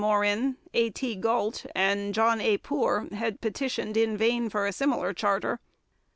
Morin, A. T. Galt, and John A. Poor had petitioned in vain for a similar charter.